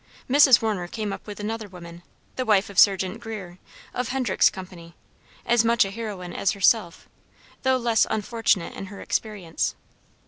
Mrs. Warner came up with another woman, the wife of Sergeant Grier, of Hendrick's company as much a heroine as herself, though less unfortunate in her experience.